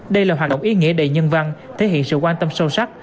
đây là hoạt động ý nghĩa đầy nhân văn thể hiện sự quan tâm sâu sắc